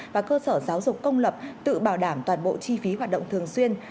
và cơ sở giáo dục công lập tự bảo đảm toàn bộ chi phí hoạt động thường xuyên